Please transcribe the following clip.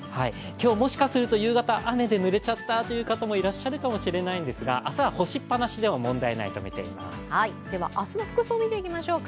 今日、もしかすると夕方雨でぬれちゃったという方もいるかもしれないんですが、明日は干しっぱなしでもでは明日の服装を見ていきましょうか。